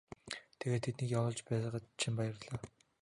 Тэгээд тэднийг явуулж байгаад чинь баярлалаа.